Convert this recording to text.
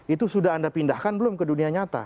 itu sudah anda pindahkan belum ke dunia nyata